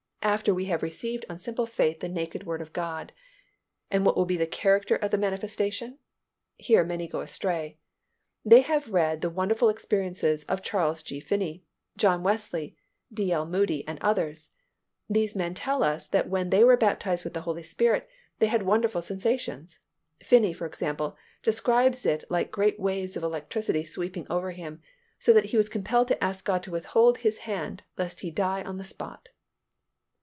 After we have received on simple faith in the naked Word of God. And what will be the character of the manifestation? Here many go astray. They have read the wonderful experiences of Charles G. Finney, John Wesley, D. L. Moody and others. These men tell us that when they were baptized with the Holy Spirit they had wonderful sensations. Finney, for example, describes it as like great waves of electricity sweeping over him, so that he was compelled to ask God to withhold His hand, lest he die on the spot.